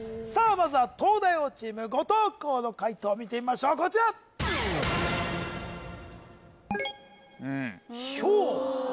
まずは東大王チーム後藤弘の解答見てみましょうこちらひょうご？